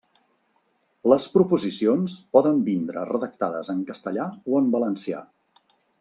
Les proposicions poden vindre redactades en castellà o en valencià.